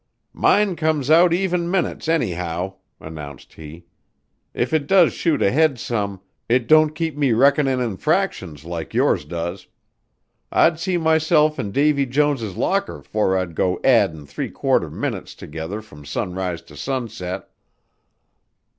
"Mine comes out even minutes, anyhow," announced he. "If it does shoot ahead some, it don't keep me reckonin' in fractions like yours does. I'd see myself in Davie Jones's locker 'fore I'd go addin' three quarter minutes together from sunrise to sunset."